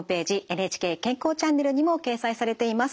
「ＮＨＫ健康チャンネル」にも掲載されています。